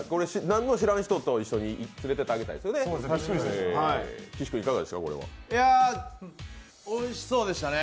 何も知らん人連れてってあげたいですよね。